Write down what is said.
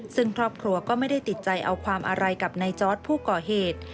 ซึ่งครอบครัวก็ไม่ได้ติดใจเอาความอะไรกับนายจอร์ดผู้ก่อเหตุ